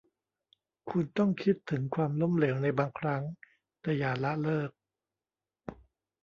คุณต้องคิดถึงความล้มเหลวในบางครั้ง แต่อย่าละเลิก